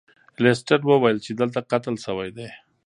لیسټرډ وویل چې دلته قتل شوی دی.